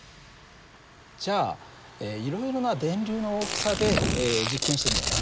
じゃあいろいろな電流の大きさで実験してみようね。